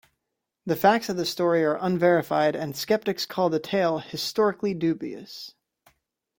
The facts of the story are unverified, and skeptics call the tale "historically dubious".